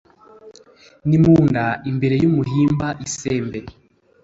ni mu nda imbere y'umuhimba Isembe